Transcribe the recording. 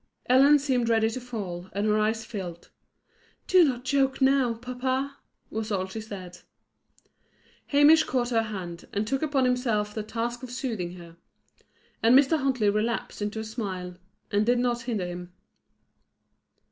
Ellen seemed ready to fall, and her eyes filled. "Do not joke now, papa," was all she said. Hamish caught her hand, and took upon himself the task of soothing her. And Mr. Huntley relapsed into a smile, and did not hinder him.